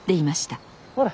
ほら。